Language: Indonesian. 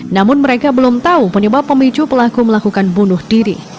namun mereka belum tahu penyebab pemicu pelaku melakukan bunuh diri